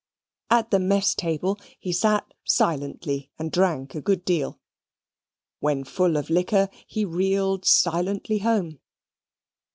At the mess table he sat silently, and drank a great deal. When full of liquor, he reeled silently home.